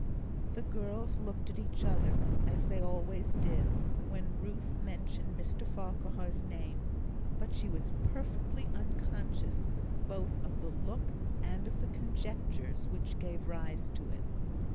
The girls looked at each other, as they always did, when Ruth mentioned Mr Farquhar's name; but she was perfectly unconscious both of the look and of the conjectures which gave rise to it.